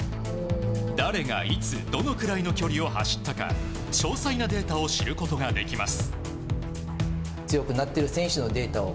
誰がいつどのくらいの距離を走ったか詳細なデータを知ることができます。